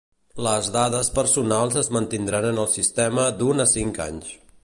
Les dades personals es mantindran en el sistema d'un a cinc anys.